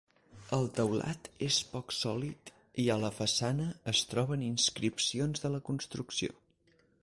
El teulat és poc sòlid i a la façana es troben inscripcions de la construcció.